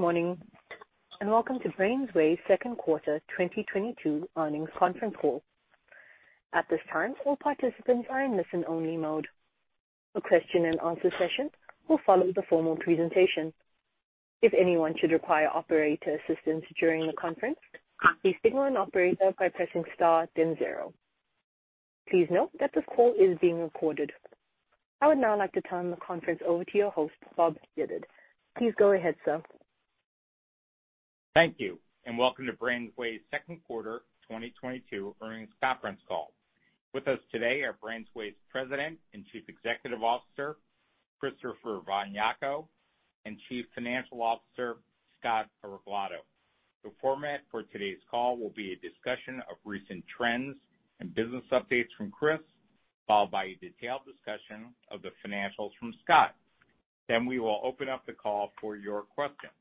Good morning, and welcome to BrainsWay's second quarter 2022 earnings conference call. At this time, all participants are in listen-only mode. A question and answer session will follow the formal presentation. If anyone should require operator assistance during the conference, please signal an operator by pressing star then zero. Please note that this call is being recorded. I would now like to turn the conference over to your host, Bob Yedid. Please go ahead, sir. Thank you, and welcome to BrainsWay's second quarter 2022 earnings conference call. With us today are BrainsWay's President and Chief Executive Officer, Christopher von Jako, and Chief Financial Officer, Scott Areglado. The format for today's call will be a discussion of recent trends and business updates from Chris, followed by a detailed discussion of the financials from Scott. We will open up the call for your questions.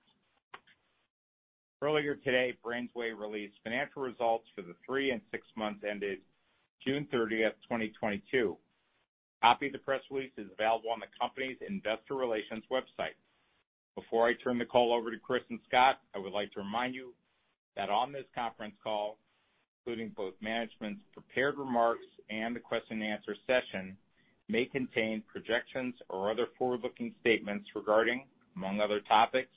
Earlier today, BrainsWay released financial results for the three and six months ended June 30, 2022. A copy of the press release is available on the company's Investor Relations website. Before I turn the call over to Chris and Scott, I would like to remind you that on this conference call, including both management's prepared remarks and the question and answer session, may contain projections or other forward-looking statements regarding, among other topics,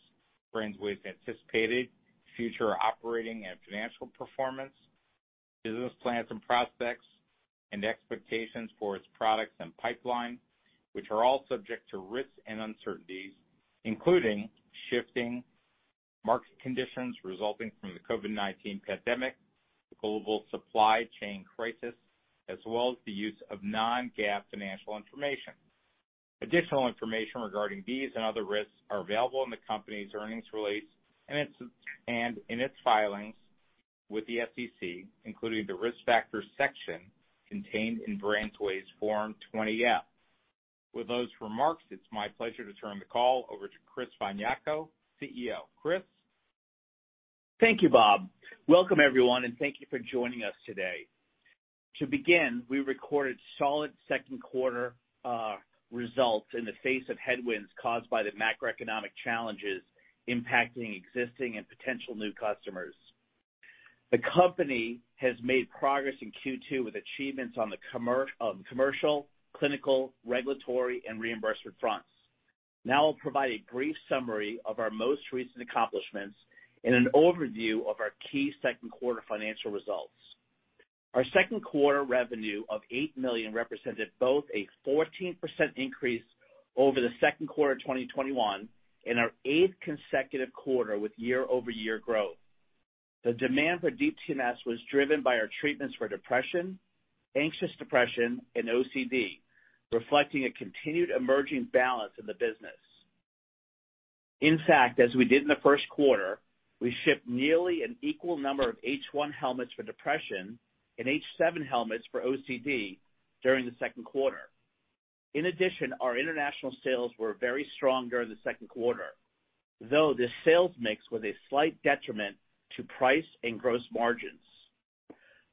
BrainsWay's anticipated future operating and financial performance, business plans and prospects, and expectations for its products and pipeline, which are all subject to risks and uncertainties, including shifting market conditions resulting from the COVID-19 pandemic, the global supply chain crisis, as well as the use of non-GAAP financial information. Additional information regarding these and other risks are available in the company's earnings release and in its filings with the SEC, including the Risk Factors section contained in BrainsWay's Form 20-F. With those remarks, it's my pleasure to turn the call over to Chris von Jako, CEO. Chris? Thank you, Bob. Welcome, everyone, and thank you for joining us today. To begin, we recorded solid second quarter results in the face of headwinds caused by the macroeconomic challenges impacting existing and potential new customers. The company has made progress in Q2 with achievements on the commercial, clinical, regulatory, and reimbursement fronts. Now I'll provide a brief summary of our most recent accomplishments and an overview of our key second quarter financial results. Our second quarter revenue of $8 million represented both a 14% increase over the second quarter of 2021 and our eighth consecutive quarter with year-over-year growth. The demand for Deep TMS was driven by our treatments for depression, anxious depression, and OCD, reflecting a continued emerging balance in the business. In fact, as we did in the first quarter, we shipped nearly an equal number of H1 coils for depression and H7 coils for OCD during the second quarter. In addition, our international sales were very strong during the second quarter, though the sales mix was a slight detriment to price and gross margins.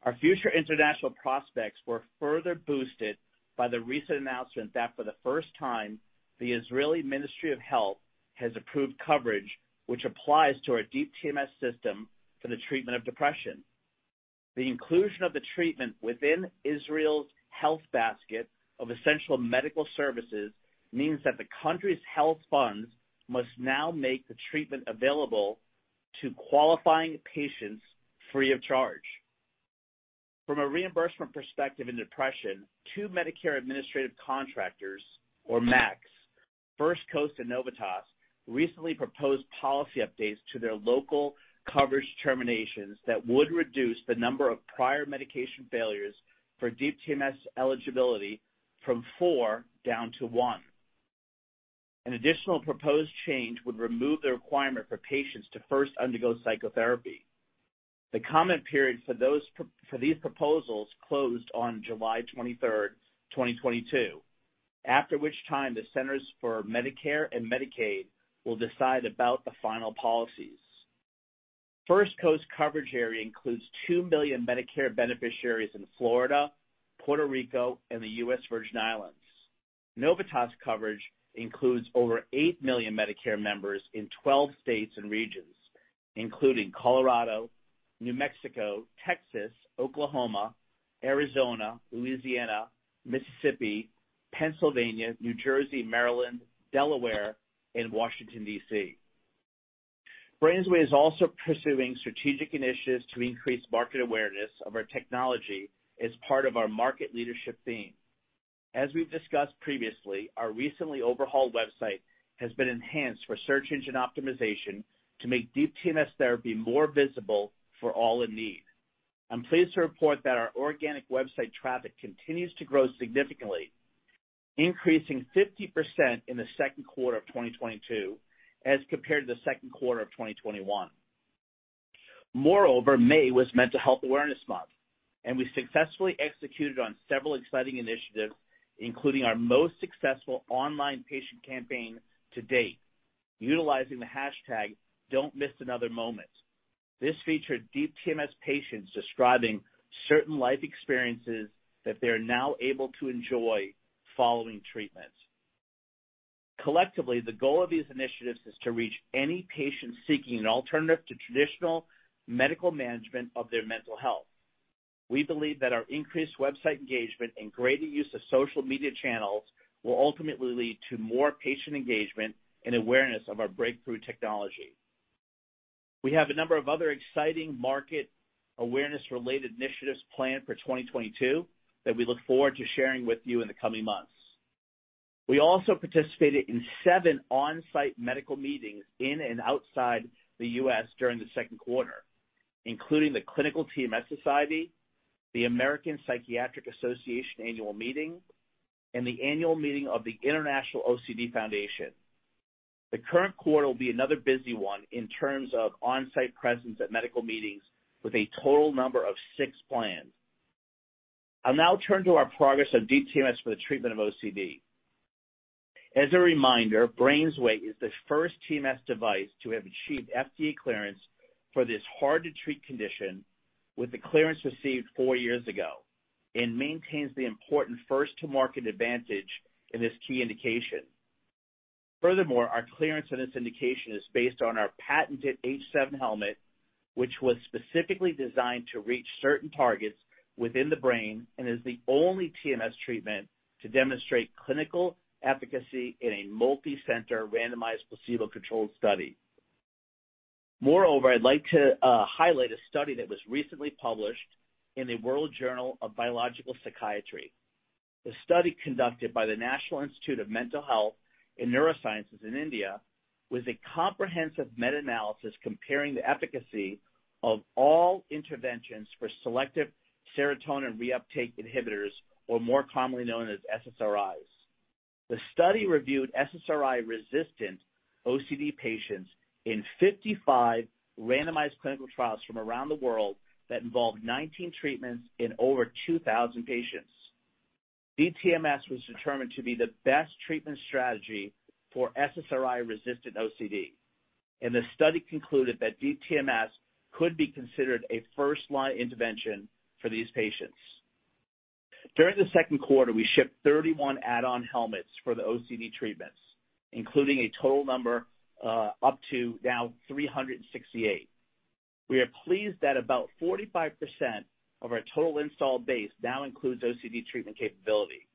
Our future international prospects were further boosted by the recent announcement that for the first time, the Israeli Ministry of Health has approved coverage which applies to our Deep TMS system for the treatment of depression. The inclusion of the treatment within Israel's health basket of essential medical services means that the country's health funds must now make the treatment available to qualifying patients free of charge. From a reimbursement perspective in depression, two Medicare administrative contractors, or MACs, First Coast and Novitas, recently proposed policy updates to their local coverage determinations that would reduce the number of prior medication failures for Deep TMS eligibility from four down to one. An additional proposed change would remove the requirement for patients to first undergo psychotherapy. The comment period for those for these proposals closed on July 23, 2022, after which time the Centers for Medicare & Medicaid Services will decide about the final policies. First Coast coverage area includes two million Medicare beneficiaries in Florida, Puerto Rico, and the U.S. Virgin Islands. Novitas coverage includes over eight million Medicare members in 12 states and regions, including Colorado, New Mexico, Texas, Oklahoma, Arizona, Louisiana, Mississippi, Pennsylvania, New Jersey, Maryland, Delaware, and Washington, D.C. BrainsWay is also pursuing strategic initiatives to increase market awareness of our technology as part of our market leadership theme. As we've discussed previously, our recently overhauled website has been enhanced for search engine optimization to make Deep TMS therapy more visible for all in need. I'm pleased to report that our organic website traffic continues to grow significantly, increasing 50% in the second quarter of 2022 as compared to the second quarter of 2021. Moreover, May was Mental Health Awareness Month, and we successfully executed on several exciting initiatives, including our most successful online patient campaign to date, utilizing the hashtag Don't Miss Another Moment. This featured Deep TMS patients describing certain life experiences that they're now able to enjoy following treatment. Collectively, the goal of these initiatives is to reach any patient seeking an alternative to traditional medical management of their mental health. We believe that our increased website engagement and greater use of social media channels will ultimately lead to more patient engagement and awareness of our breakthrough technology. We have a number of other exciting market awareness-related initiatives planned for 2022 that we look forward to sharing with you in the coming months. We also participated in seven on-site medical meetings in and outside the U.S. during the second quarter, including the Clinical TMS Society, the American Psychiatric Association Annual Meeting, and the Annual Meeting of the International OCD Foundation. The current quarter will be another busy one in terms of on-site presence at medical meetings with a total number of six planned. I'll now turn to our progress on Deep TMS for the treatment of OCD. As a reminder, BrainsWay is the first TMS device to have achieved FDA clearance for this hard-to-treat condition with the clearance received four years ago and maintains the important first-to-market advantage in this key indication. Furthermore, our clearance in this indication is based on our patented H7 helmet, which was specifically designed to reach certain targets within the brain and is the only TMS treatment to demonstrate clinical efficacy in a multi-center randomized placebo-controlled study. Moreover, I'd like to highlight a study that was recently published in The World Journal of Biological Psychiatry. The study, conducted by the National Institute of Mental Health and Neuro-Sciences in India, was a comprehensive meta-analysis comparing the efficacy of all interventions for selective serotonin reuptake inhibitors, or more commonly known as SSRIs. The study reviewed SSRI-resistant OCD patients in 55 randomized clinical trials from around the world that involved 19 treatments in over 2,000 patients. Deep TMS was determined to be the best treatment strategy for SSRI-resistant OCD, and the study concluded that Deep TMS could be considered a first-line intervention for these patients. During the second quarter, we shipped 31 add-on helmets for the OCD treatments, including a total number up to now 368. We are pleased that about 45% of our total installed base now includes OCD treatment capability.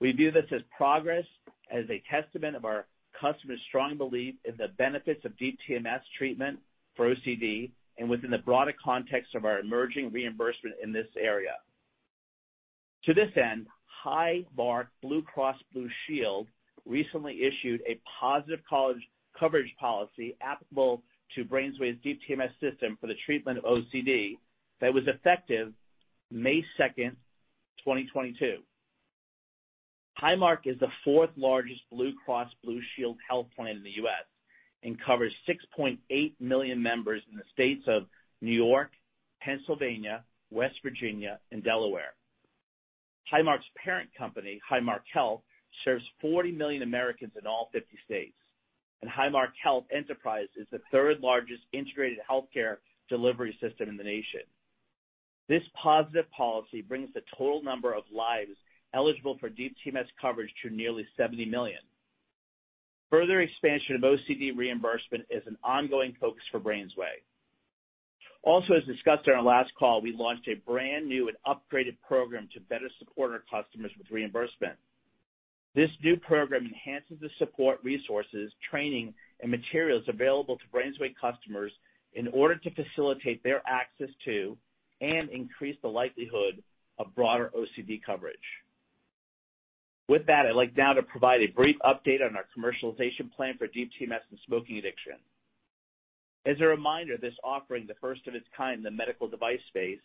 We view this as progress as a testament of our customers' strong belief in the benefits of Deep TMS treatment for OCD and within the broader context of our emerging reimbursement in this area. To this end, Highmark Blue Cross Blue Shield recently issued a positive coverage policy applicable to BrainsWay's Deep TMS system for the treatment of OCD that was effective May second, 2022. Highmark is the fourth largest Blue Cross Blue Shield health plan in the U.S. and covers 6.8 million members in the states of New York, Pennsylvania, West Virginia, and Delaware. Highmark's parent company, Highmark Health, serves 40 million Americans in all 50 states, and Highmark Health Enterprise is the third-largest integrated healthcare delivery system in the nation. This positive policy brings the total number of lives eligible for Deep TMS coverage to nearly 70 million. Further expansion of OCD reimbursement is an ongoing focus for BrainsWay. Also, as discussed on our last call, we launched a brand-new and upgraded program to better support our customers with reimbursement. This new program enhances the support, resources, training, and materials available to BrainsWay customers in order to facilitate their access to and increase the likelihood of broader OCD coverage. With that, I'd like now to provide a brief update on our commercialization plan for Deep TMS and smoking addiction. As a reminder, this offering, the first of its kind in the medical device space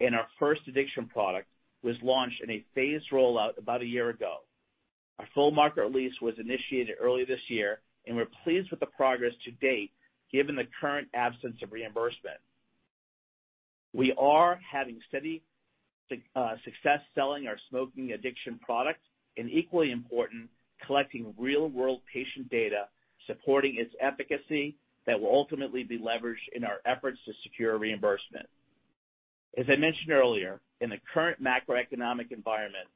and our first addiction product, was launched in a phased rollout about a year ago. Our full market release was initiated early this year, and we're pleased with the progress to date, given the current absence of reimbursement. We are having steady success selling our smoking addiction product and, equally important, collecting real-world patient data supporting its efficacy that will ultimately be leveraged in our efforts to secure reimbursement. As I mentioned earlier, in the current macroeconomic environment,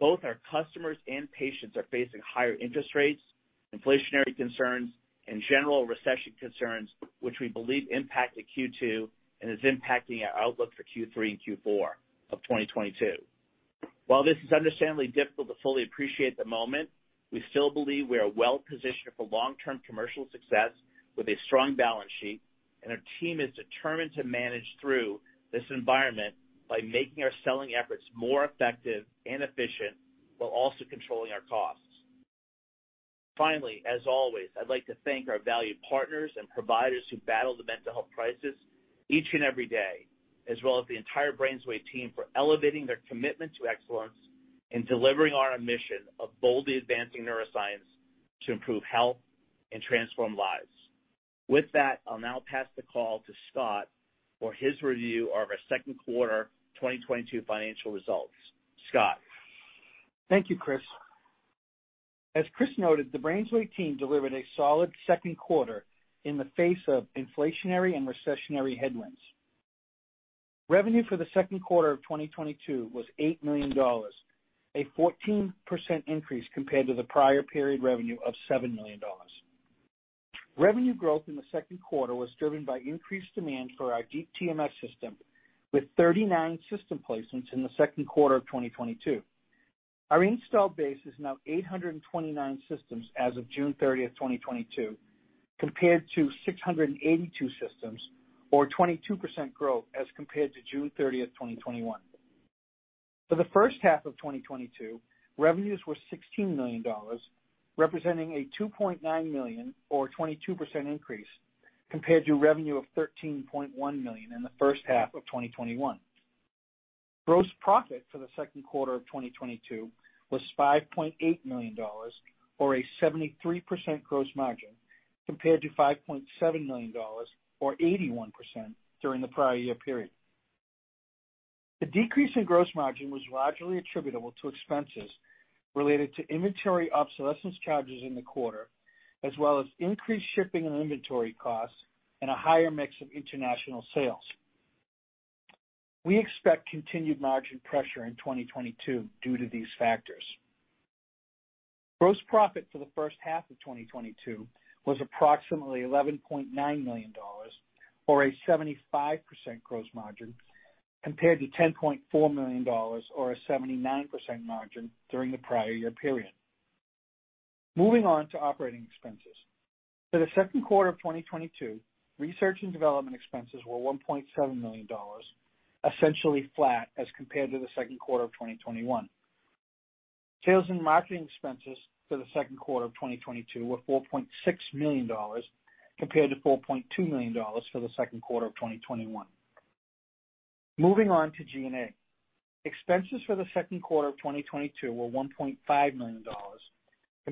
both our customers and patients are facing higher interest rates, inflationary concerns, and general recession concerns, which we believe impacted Q2 and is impacting our outlook for Q3 and Q4 of 2022. While this is understandably difficult to fully appreciate at the moment, we still believe we are well-positioned for long-term commercial success with a strong balance sheet, and our team is determined to manage through this environment by making our selling efforts more effective and efficient while also controlling our costs. Finally, as always, I'd like to thank our valued partners and providers who battle the mental health crisis each and every day, as well as the entire BrainsWay team for elevating their commitment to excellence and delivering on our mission of boldly advancing neuroscience to improve health and transform lives. With that, I'll now pass the call to Scott for his review of our second quarter 2022 financial results. Scott? Thank you, Chris. As Chris noted, the BrainsWay team delivered a solid second quarter in the face of inflationary and recessionary headwinds. Revenue for the second quarter of 2022 was $8 million, a 14% increase compared to the prior period revenue of $7 million. Revenue growth in the second quarter was driven by increased demand for our Deep TMS system, with 39 system placements in the second quarter of 2022. Our installed base is now 829 systems as of June 30, 2022, compared to 682 systems or 22% growth as compared to June 30, 2021. For the first half of 2022, revenues were $16 million, representing a $2.9 million or 22% increase compared to revenue of $13.1 million in the first half of 2021. Gross profit for the second quarter of 2022 was $5.8 million, or a 73% gross margin, compared to $5.7 million, or 81% during the prior year period. The decrease in gross margin was largely attributable to expenses related to inventory obsolescence charges in the quarter, as well as increased shipping and inventory costs and a higher mix of international sales. We expect continued margin pressure in 2022 due to these factors. Gross profit for the first half of 2022 was approximately $11.9 million, or a 75% gross margin, compared to $10.4 million or a 79% margin during the prior year period. Moving on to operating expenses. For the second quarter of 2022, research and development expenses were $1.7 million, essentially flat as compared to the second quarter of 2021. Sales and marketing expenses for the second quarter of 2022 were $4.6 million compared to $4.2 million for the second quarter of 2021. Moving on to G&A. Expenses for the second quarter of 2022 were $1.5 million,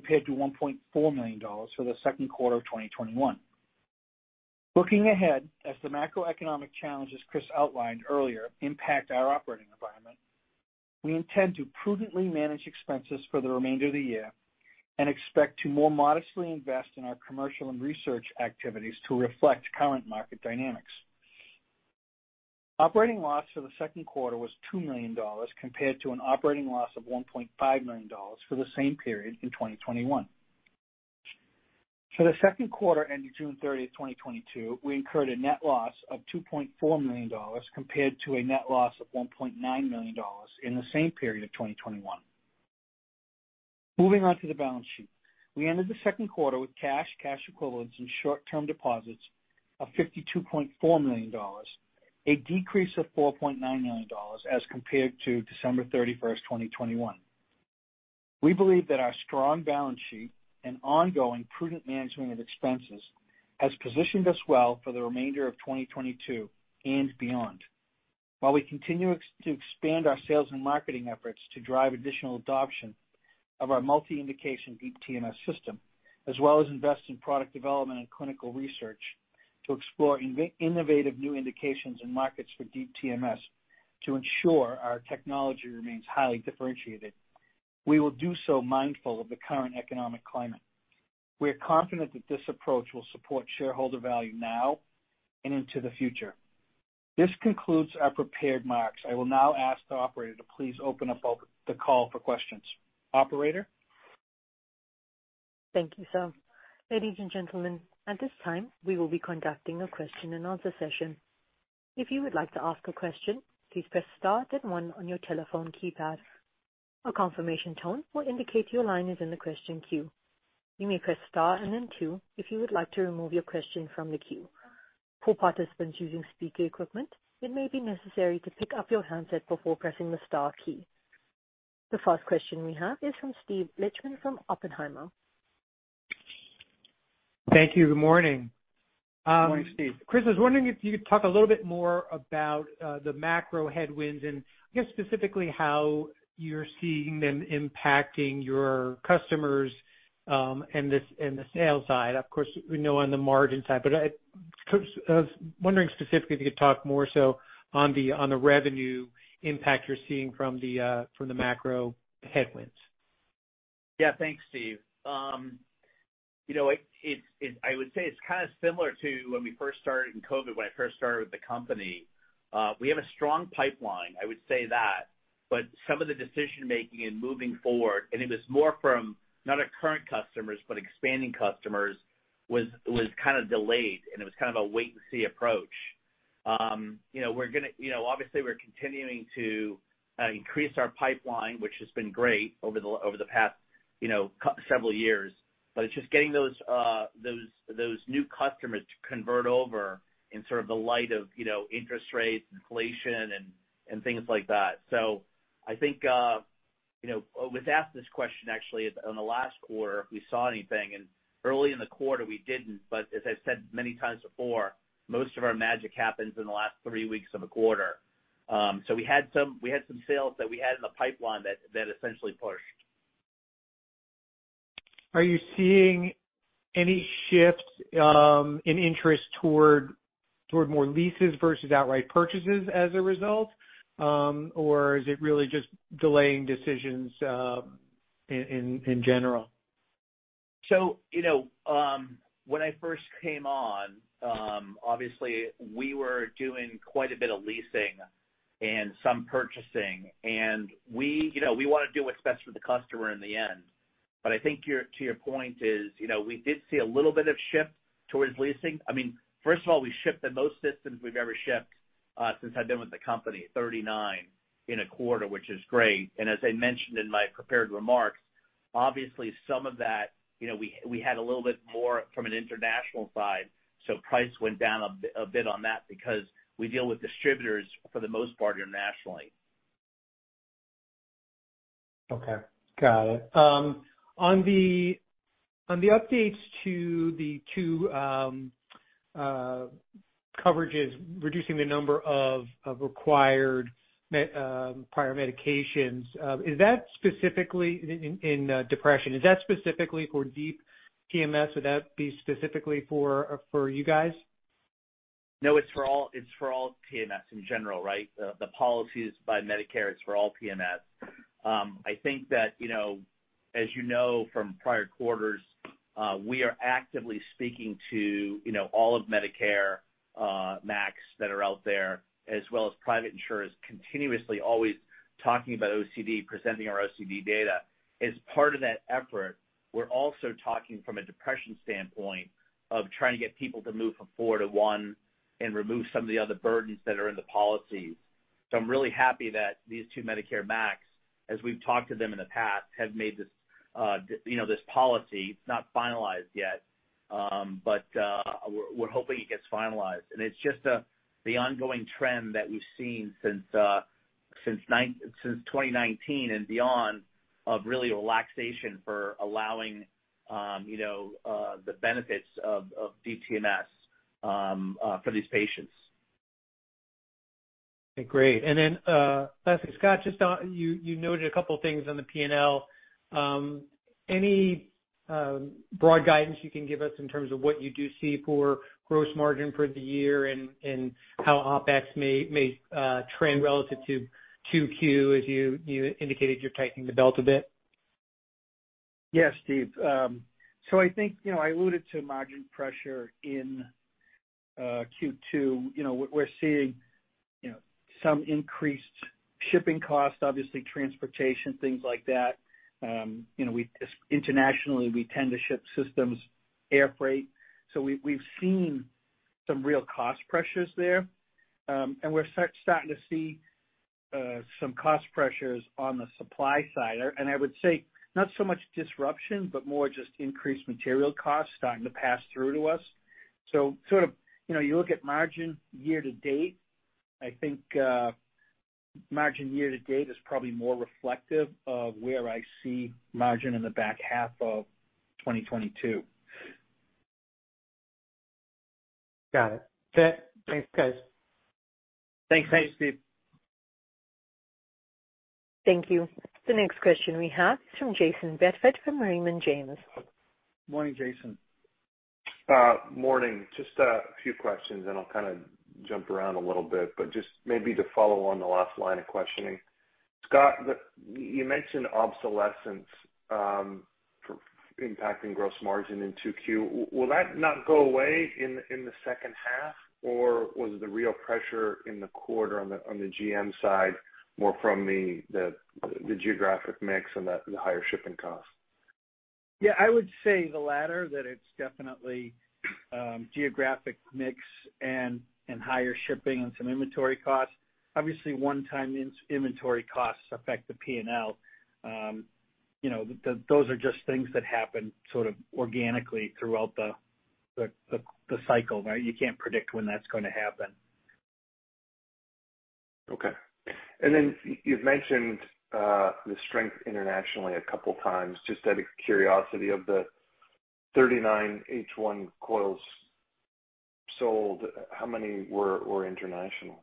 compared to $1.4 million for the second quarter of 2021. Looking ahead, as the macroeconomic challenges Chris outlined earlier impact our operating environment, we intend to prudently manage expenses for the remainder of the year and expect to more modestly invest in our commercial and research activities to reflect current market dynamics. Operating loss for the second quarter was $2 million, compared to an operating loss of $1.5 million for the same period in 2021. For the second quarter ended June thirtieth, 2022, we incurred a net loss of $2.4 million, compared to a net loss of $1.9 million in the same period of 2021. Moving on to the balance sheet. We ended the second quarter with cash equivalents, and short-term deposits of $52.4 million, a decrease of $4.9 million as compared to December 31st, 2021. We believe that our strong balance sheet and ongoing prudent management of expenses has positioned us well for the remainder of 2022 and beyond. While we continue to expand our sales and marketing efforts to drive additional adoption of our multi-indication Deep TMS system, as well as invest in product development and clinical research to explore innovative new indications and markets for Deep TMS to ensure our technology remains highly differentiated, we will do so mindful of the current economic climate. We are confident that this approach will support shareholder value now and into the future. This concludes our prepared remarks. I will now ask the operator to please open up the call for questions. Operator? Thank you, sir. Ladies and gentlemen, at this time, we will be conducting a question and answer session. If you would like to ask a question, please press star then one on your telephone keypad. A confirmation tone will indicate your line is in the question queue. You may press star and then two if you would like to remove your question from the queue. For participants using speaker equipment, it may be necessary to pick up your handset before pressing the star key. The first question we have is from Steve Lichtman from Oppenheimer. Thank you. Good morning. Good morning, Steve. Chris, I was wondering if you could talk a little bit more about the macro headwinds and I guess specifically how you're seeing them impacting your customers, and the sales side. Of course, we know on the margin side, but Chris, I was wondering specifically if you could talk more so on the revenue impact you're seeing from the macro headwinds. Yeah. Thanks, Steve. You know, it's kind of similar to when we first started in COVID, when I first started with the company. We have a strong pipeline, I would say that, but some of the decision-making in moving forward, and it was more from not our current customers, but expanding customers, was kind of delayed, and it was kind of a wait and see approach. You know, we're gonna. You know, obviously we're continuing to increase our pipeline, which has been great over the past several years. It's just getting those new customers to convert over in sort of the light of you know, interest rates, inflation, and things like that. I think, you know, I was asked this question actually on the last quarter if we saw anything, and early in the quarter we didn't. As I've said many times before, most of our magic happens in the last three weeks of a quarter. We had some sales that we had in the pipeline that essentially pushed. Are you seeing any shifts in interest toward more leases versus outright purchases as a result? Or is it really just delaying decisions in general? You know, when I first came on, obviously we were doing quite a bit of leasing and some purchasing, and we, you know, we wanna do what's best for the customer in the end. But I think to your point is, you know, we did see a little bit of shift towards leasing. I mean, first of all, we shipped the most systems we've ever shipped since I've been with the company, 39 in a quarter, which is great. As I mentioned in my prepared remarks, obviously some of that, you know, we had a little bit more from an international side, so price went down a bit on that because we deal with distributors for the most part internationally. Okay. Got it. On the updates to the two coverages, reducing the number of required prior medications, is that specifically in depression for Deep TMS? Would that be specifically for you guys? No, it's for all TMS in general, right? The policies by Medicare is for all TMS. I think that, you know, as you know from prior quarters, we are actively speaking to, you know, all of Medicare MACs that are out there, as well as private insurers, continuously always talking about OCD, presenting our OCD data. As part of that effort, we're also talking from a depression standpoint of trying to get people to move from four to one and remove some of the other burdens that are in the policy. I'm really happy that these two Medicare MACs, as we've talked to them in the past, have made this, you know, this policy. It's not finalized yet, but we're hoping it gets finalized. It's just that, the ongoing trend that we've seen since 2019 and beyond of really relaxation for allowing you know the benefits of Deep TMS for these patients. Okay, great. Then, lastly, Scott, just on, you noted a couple things on the P&L. Any broad guidance you can give us in terms of what you do see for gross margin for the year and how OpEx may trend relative to 2Q as you indicated you're tightening the belt a bit? Yes, Steve. I think, you know, I alluded to margin pressure in Q2. You know, we're seeing, you know, some increased shipping costs, obviously transportation, things like that. Internationally, we tend to ship systems air freight, so we've seen some real cost pressures there. We're starting to see some cost pressures on the supply side. I would say not so much disruption, but more just increased material costs starting to pass through to us. Sort of, you know, you look at margin year-to-date, I think, margin year-to-date is probably more reflective of where I see margin in the back half of 2022. Got it. Okay. Thanks, guys. Thanks, Steve. Thanks. Thank you. The next question we have is from Jayson Bedford from Raymond James. Morning, Jason. Morning. Just a few questions, and I'll kind of jump around a little bit, but just maybe to follow on the last line of questioning. Scott, you mentioned obsolescence for impacting gross margin in 2Q. Will that not go away in the second half? Or was the real pressure in the quarter on the GM side more from the geographic mix and the higher shipping costs? Yeah, I would say the latter, that it's definitely geographic mix and higher shipping and some inventory costs. Obviously, one-time inventory costs affect the P&L. You know, those are just things that happen sort of organically throughout the cycle, right? You can't predict when that's gonna happen. Okay. You've mentioned the strength internationally a couple times. Just out of curiosity, of the 39 H1 coils sold, how many were international?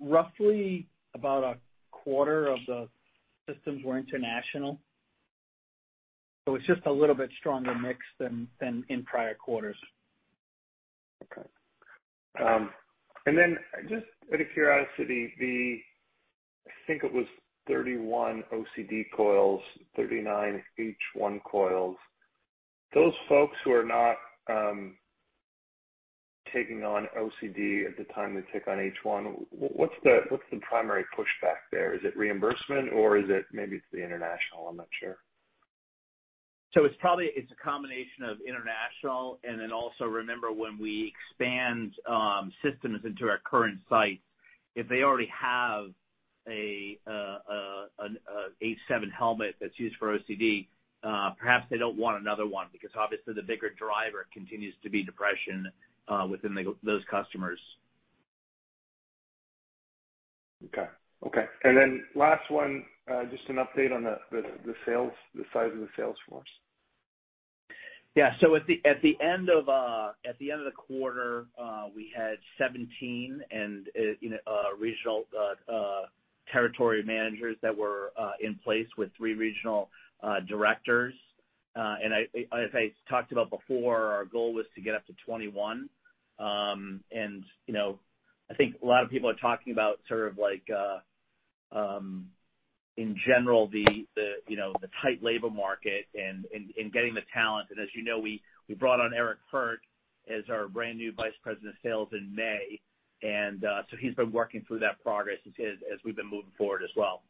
Roughly about a quarter of the systems were international, so it's just a little bit stronger mix than in prior quarters. Okay. Just out of curiosity, I think it was 31 OCD coils, 39 H1 coils, those folks who are not taking on OCD at the time they take on H1, what's the primary pushback there? Is it reimbursement or is it maybe it's the international? I'm not sure. It's probably a combination of international, and then also remember when we expand systems into our current sites, if they already have a H7 helmet that's used for OCD, perhaps they don't want another one because obviously the bigger driver continues to be depression within those customers. Okay. Last one, just an update on the sales, the size of the sales force. Yeah. At the end of the quarter, we had 17 regional territory managers that were in place with three regional directors. As I talked about before, our goal was to get up to 21. I think a lot of people are talking about sort of like in general the tight labor market and getting the talent. As you know, we brought on Eric Hirt as our brand-new Vice President of Sales in May, so he's been working through that progress as we've been moving forward as well.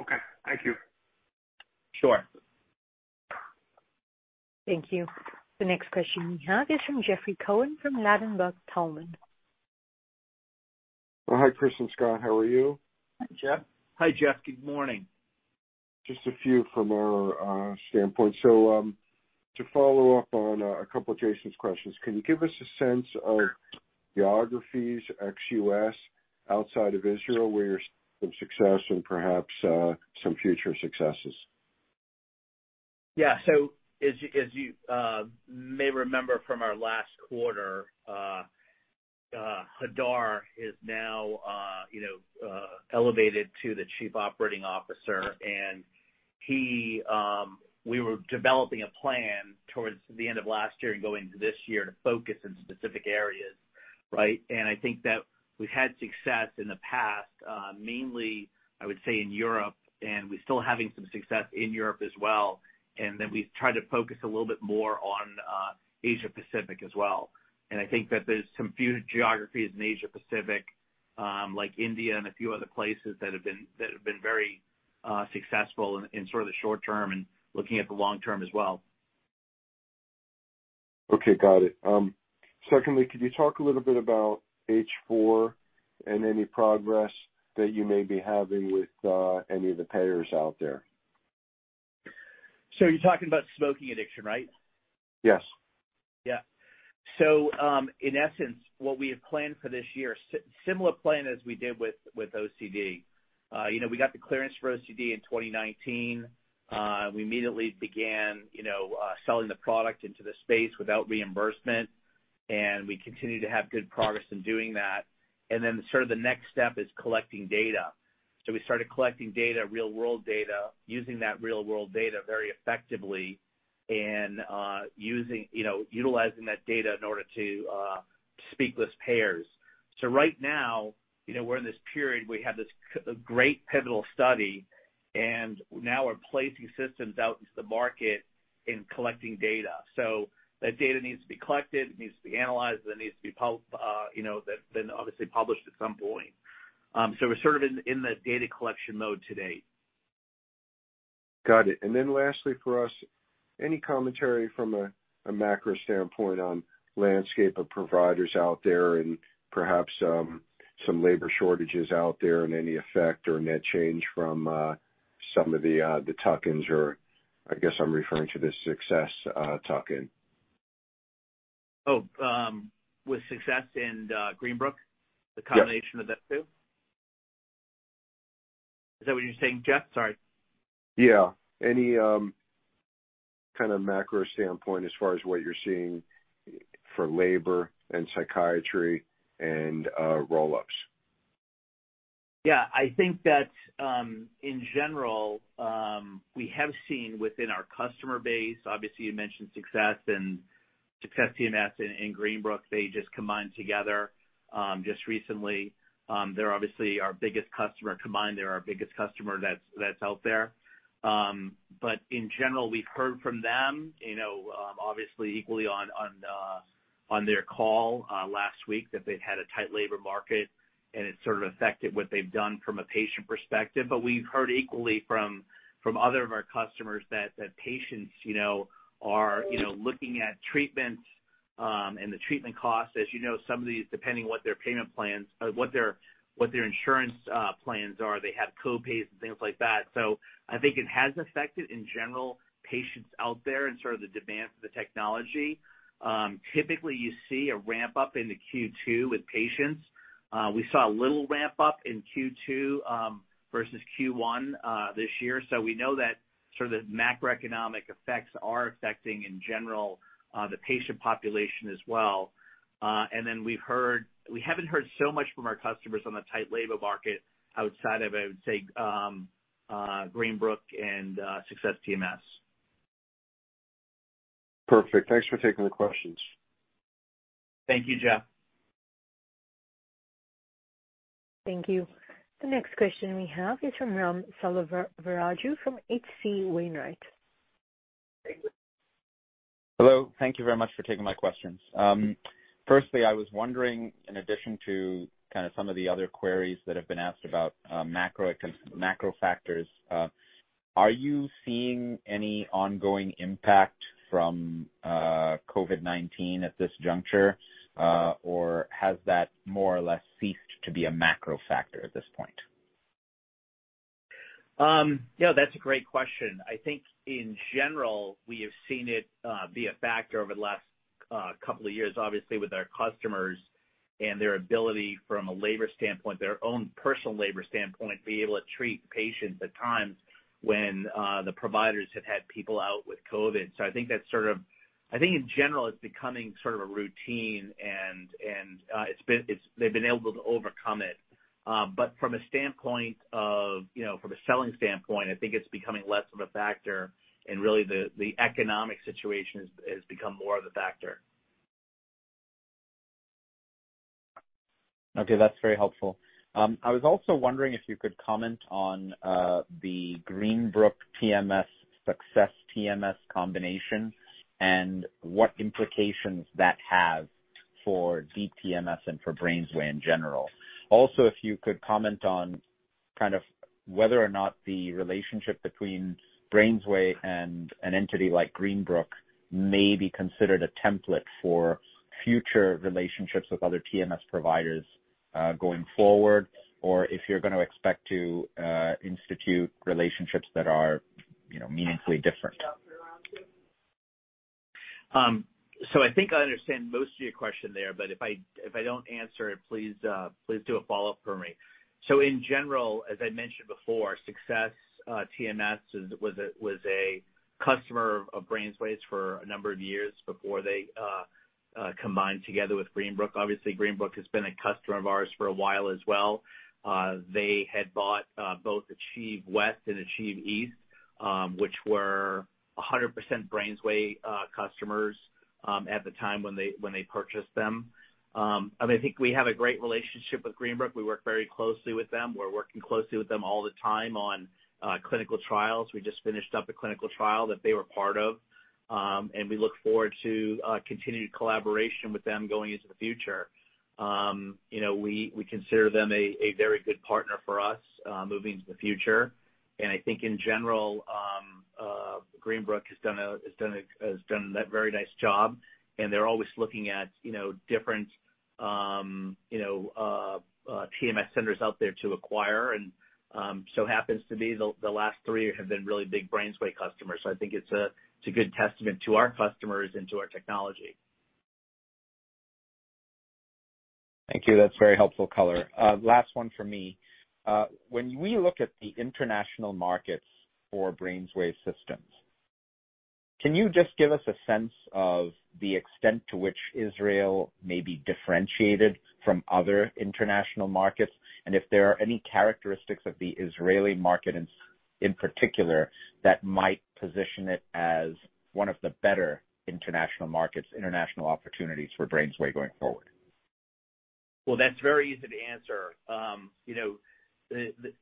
Okay. Thank you. Sure. Thank you. The next question we have is from Jeffrey Cohen from Ladenburg Thalmann. Hi, Chris and Scott. How are you? Hi, Jeff. Hi, Jeff. Good morning. Just a few from our standpoint. To follow up on a couple of Jason's questions. Can you give us a sense of geographies ex-U.S. outside of Israel where you're seeing some success and perhaps some future successes? As you may remember from our last quarter, Hadar is now you know elevated to the Chief Operating Officer. We were developing a plan towards the end of last year and going into this year to focus in specific areas, right? I think that we've had success in the past, mainly, I would say in Europe, and we're still having some success in Europe as well. We've tried to focus a little bit more on Asia-Pacific as well. I think that there's some few geographies in Asia-Pacific, like India and a few other places that have been very successful in sort of the short term and looking at the long term as well. Okay. Got it. Secondly, could you talk a little bit about H4 and any progress that you may be having with any of the payers out there? You're talking about smoking addiction, right? Yes. Yeah. In essence, what we have planned for this year, similar plan as we did with OCD. You know, we got the clearance for OCD in 2019. We immediately began, you know, selling the product into the space without reimbursement, and we continue to have good progress in doing that. Sort of the next step is collecting data. We started collecting data, real world data, using that real world data very effectively and, using, you know, utilizing that data in order to, speak with payers. Right now, you know, we're in this period, we have this great pivotal study, and now we're placing systems out into the market and collecting data. That data needs to be collected, it needs to be analyzed, and it needs to be, you know, then obviously published at some point. We're sort of in the data collection mode to date. Got it. Lastly for us, any commentary from a macro standpoint on landscape of providers out there and perhaps some labor shortages out there and any effect or net change from some of the tuck-ins or I guess I'm referring to the Success tuck-in? With Success and Greenbrook? Yes. The combination of the two? Is that what you're saying, Jeff? Sorry. Yeah. Any kind of macro standpoint as far as what you're seeing for labor and psychiatry and roll-ups? Yeah. I think that, in general, we have seen within our customer base, obviously you mentioned Success TMS and Greenbrook, they just combined together, just recently. They're obviously our biggest customer. Combined, they're our biggest customer that's out there. But in general, we've heard from them, you know, obviously equally on their call last week that they've had a tight labor market and it sort of affected what they've done from a patient perspective. But we've heard equally from other of our customers that patients, you know, are looking at treatments and the treatment costs. As you know, some of these, depending what their payment plans or what their insurance plans are, they have co-pays and things like that. I think it has affected in general patients out there and sort of the demand for the technology. Typically you see a ramp up into Q2 with patients. We saw a little ramp up in Q2 versus Q1 this year. We know that sort of the macroeconomic effects are affecting in general the patient population as well. We haven't heard so much from our customers on the tight labor market outside of, I would say, Greenbrook and Success TMS. Perfect. Thanks for taking the questions. Thank you, Jeff. Thank you. The next question we have is from Ram Selvaraju from H.C. Wainwright. Hello. Thank you very much for taking my questions. Firstly, I was wondering, in addition to kind of some of the other queries that have been asked about, macro factors, are you seeing any ongoing impact from COVID-19 at this juncture? Or has that more or less ceased to be a macro factor at this point? Yeah, that's a great question. I think in general, we have seen it be a factor over the last couple of years, obviously with our customers and their ability from a labor standpoint, their own personal labor standpoint, to be able to treat patients at times when the providers have had people out with COVID. I think in general, it's becoming sort of a routine and they've been able to overcome it. From a standpoint of, you know, from a selling standpoint, I think it's becoming less of a factor and really the economic situation has become more of the factor. Okay. That's very helpful. I was also wondering if you could comment on the Greenbrook TMS, Success TMS combination and what implications that have Deep TMS and for BrainsWay in general. Also, if you could comment on kind of whether or not the relationship between BrainsWay and an entity like Greenbrook may be considered a template for future relationships with other TMS providers going forward, or if you're gonna expect to institute relationships that are, you know, meaningfully different. I think I understand most of your question there, but if I don't answer it, please do a follow-up for me. In general, as I mentioned before, Success TMS was a customer of BrainsWay's for a number of years before they combined together with Greenbrook. Obviously, Greenbrook has been a customer of ours for a while as well. They had bought both Achieve TMS West and Achieve TMS East, which were 100% BrainsWay customers, at the time when they purchased them. I think we have a great relationship with Greenbrook. We work very closely with them. We're working closely with them all the time on clinical trials. We just finished up a clinical trial that they were part of, and we look forward to continued collaboration with them going into the future. You know, we consider them a very good partner for us moving into the future. I think in general, Greenbrook has done a very nice job, and they're always looking at you know different TMS centers out there to acquire. So happens to be the last three have been really big BrainsWay customers. I think it's a good testament to our customers and to our technology. Thank you. That's very helpful color. Last one for me. When we look at the international markets for BrainsWay systems, can you just give us a sense of the extent to which Israel may be differentiated from other international markets, and if there are any characteristics of the Israeli market in particular that might position it as one of the better international markets, international opportunities for BrainsWay going forward? Well, that's very easy to answer. You know,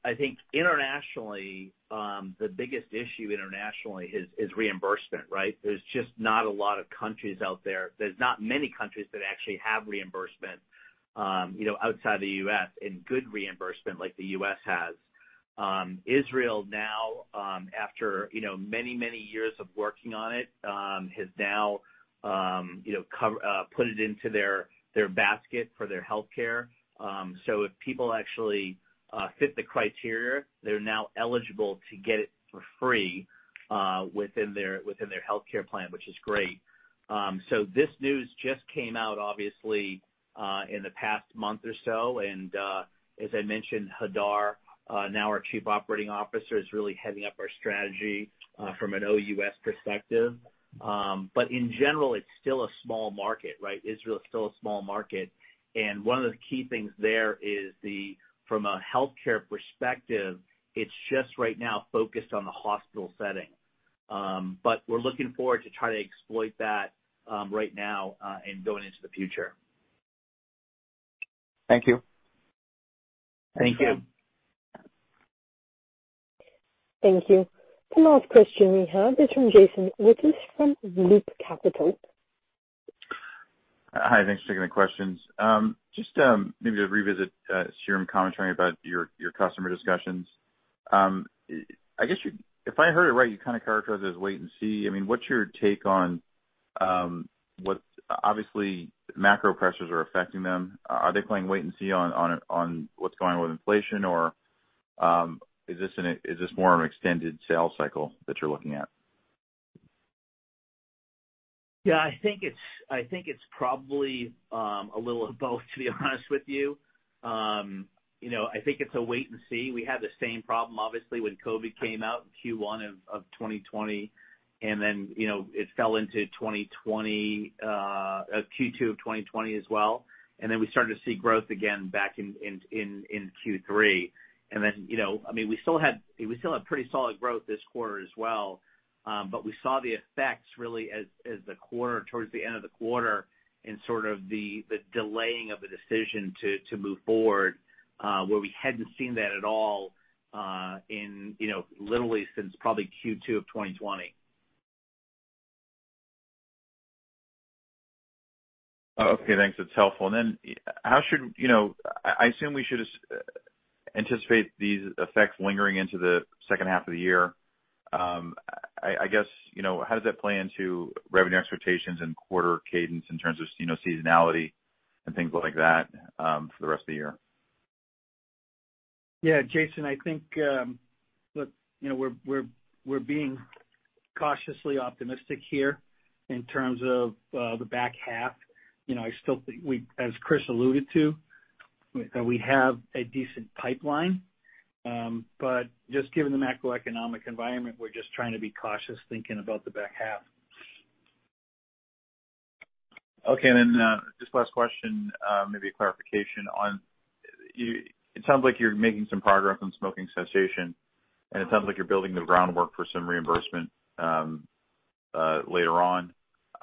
I think internationally, the biggest issue internationally is reimbursement, right? There's just not a lot of countries out there. There's not many countries that actually have reimbursement, you know, outside the U.S., and good reimbursement like the U.S. has. Israel now, after, you know, many years of working on it, has now, you know, put it into their basket for their healthcare. If people actually fit the criteria, they're now eligible to get it for free, within their healthcare plan, which is great. This news just came out obviously, in the past month or so, and, as I mentioned, Hadar, now our Chief Operating Officer, is really heading up our strategy, from an OUS perspective. In general, it's still a small market, right? Israel is still a small market, and one of the key things there is the from a healthcare perspective, it's just right now focused on the hospital setting. We're looking forward to try to exploit that right now and going into the future. Thank you. Thank you. Thank you. The last question we have is from Jason Wittes from Loop Capital. Hi, thanks for taking the questions. Just, maybe to revisit, Hadar commentary about your customer discussions. I guess you, if I heard it right, you kinda characterized it as wait and see. I mean, what's your take on, what's obviously macro pressures are affecting them. Are they playing wait and see on what's going on with inflation? Or, is this more of an extended sales cycle that you're looking at? Yeah, I think it's probably a little of both, to be honest with you. You know, I think it's a wait and see. We had the same problem obviously, when COVID came out in Q1 of 2020 and then, you know, it fell into Q2 of 2020 as well. We started to see growth again back in Q3. You know, I mean, we still have pretty solid growth this quarter as well. We saw the effects really as the quarter, towards the end of the quarter and sort of the delaying of the decision to move forward, where we hadn't seen that at all, in you know, literally since probably Q2 of 2020. Okay. Thanks. That's helpful. How should you know, I assume we should anticipate these effects lingering into the second half of the year. I guess, you know, how does that play into revenue expectations and quarter cadence in terms of, you know, seasonality and things like that, for the rest of the year? Yeah. Jason, I think, look, you know, we're being cautiously optimistic here in terms of the back half. You know, I still think we, as Chris alluded to, we have a decent pipeline. Just given the macroeconomic environment, we're just trying to be cautious thinking about the back half. Okay. Just last question, maybe a clarification on you. It sounds like you're making some progress on smoking cessation, and it sounds like you're building the groundwork for some reimbursement later on.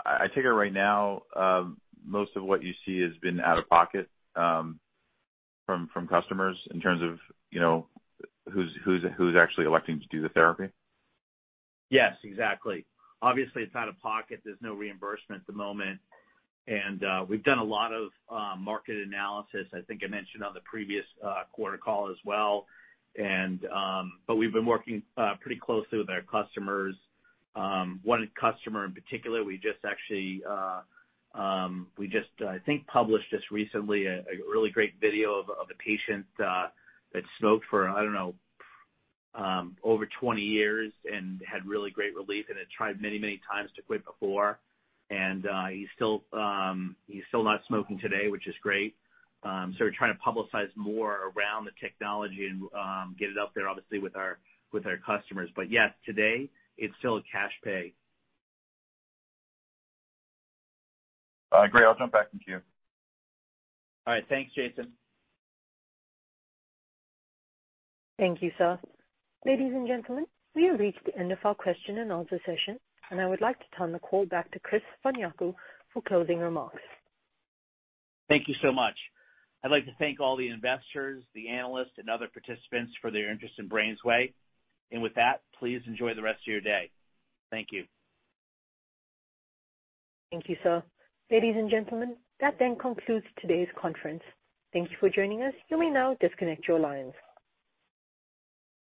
I take it right now, most of what you see has been out-of-pocket from customers in terms of, you know, who's actually electing to do the therapy? Yes, exactly. Obviously, it's out-of-pocket. There's no reimbursement at the moment. We've done a lot of market analysis, I think I mentioned on the previous quarter call as well. We've been working pretty closely with our customers. One customer in particular, we just published recently a really great video of a patient that smoked for, I don't know, over 20 years and had really great relief and had tried many times to quit before. He's still not smoking today, which is great. We're trying to publicize more around the technology and get it out there obviously with our customers. Yes, today it's still a cash pay. Great. I'll jump back in queue. All right. Thanks, Jason. Thank you, sir. Ladies and gentlemen, we have reached the end of our question and answer session, and I would like to turn the call back to Chris von Jako for closing remarks. Thank you so much. I'd like to thank all the investors, the analysts and other participants for their interest in BrainsWay. With that, please enjoy the rest of your day. Thank you. Thank you, sir. Ladies and gentlemen, that then concludes today's conference. Thank you for joining us. You may now disconnect your lines.